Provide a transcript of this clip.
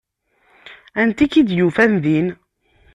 Anta i k-id-yufan din?